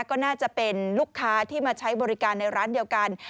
ก็น่าจะเป็นลูกค้าที่มาใช้บริการในร้านเดียวกัน